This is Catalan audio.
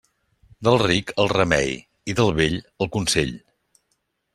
Del ric el remei i del vell el consell.